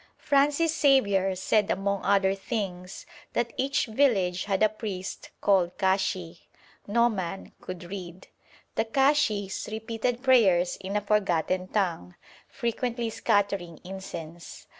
F. Xavier said among other things 'that each village had a priest called kashi. No man could read. The kashis repeated prayers in a forgotten tongue, frequently scattering incense.